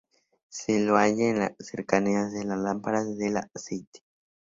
Se lo halla en las cercanías de las lámparas de aceite.